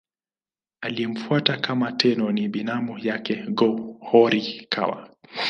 Aliyemfuata kama Tenno ni binamu yake Go-Horikawa.